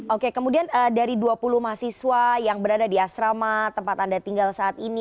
oke kemudian dari dua puluh mahasiswa yang berada di asrama tempat anda tinggal saat ini